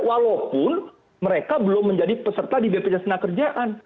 walaupun mereka belum menjadi peserta di bpjs tenaga kerjaan